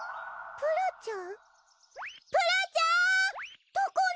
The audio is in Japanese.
プラちゃん！